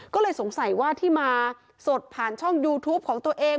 ก็เลยสงสัยว่าที่มาสดผ่านช่องยูทูปของตัวเอง